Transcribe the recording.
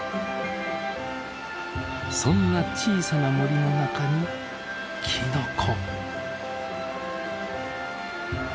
そんな小さな森の中にきのこ。